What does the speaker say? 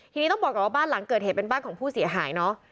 ทีนี้ต้องบอกก่อนว่าบ้านหลังเกิดเหตุเป็นบ้านของผู้เสียหายเนอะ